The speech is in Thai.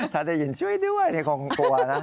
ถ้าได้ยินช่วยด้วยคงกลัวนะ